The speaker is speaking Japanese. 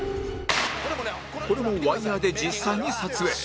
これもワイヤで実際に撮影